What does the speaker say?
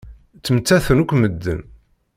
Ttmettaten akk medden.